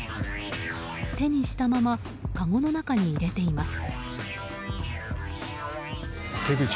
手にしたままかごの中に入れています。